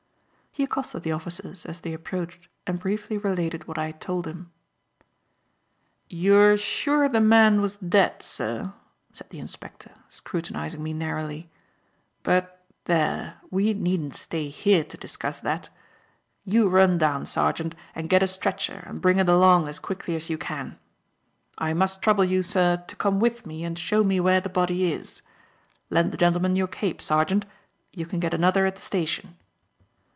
He accosted the officers as they approached and briefly related what I had told him. "You are sure the man was dead, sir?" said the inspector, scrutinizing me narrowly; "but, there, we needn't stay here to discuss that. You run down, Sergeant, and get a stretcher and bring it along as quickly as you can. I must trouble you, sir, to come with me and show me where the body is. Lend the gentleman your cape, sergeant; you can get another at the station."